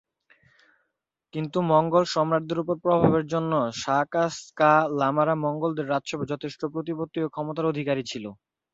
কিন্তু মঙ্গোল সম্রাটদের ওপর প্রভাবের জন্য সা-স্ক্যা লামারা মঙ্গোলদের রাজসভায় যথেষ্ট প্রতিপত্তি ও ক্ষমতার অধিকারী ছিল।